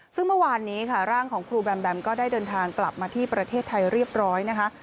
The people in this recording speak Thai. ซึ่งเมื่อวานนี้ค่ะร่างของครูแบมแบมก็ได้เดินทางกลับมาที่ประเทศไทยเรียบร้อยนะคะ